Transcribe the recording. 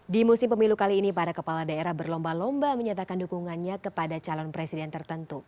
di musim pemilu kali ini para kepala daerah berlomba lomba menyatakan dukungannya kepada calon presiden tertentu